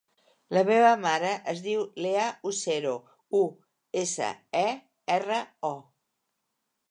La meva mare es diu Leah Usero: u, essa, e, erra, o.